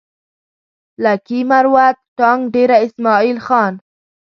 لکي مروت ټانک ډېره اسماعيل خان